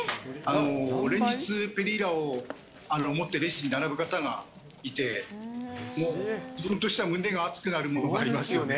連日、ペリーラを持ってレジに並ぶ方がいて、もう自分としては胸が熱くなるものがありますよね。